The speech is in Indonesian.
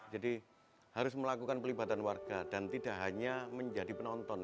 jadi harus melakukan pelibatan warga dan tidak hanya menjadi penonton